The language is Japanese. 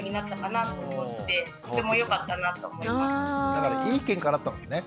だからいいケンカだったんですね。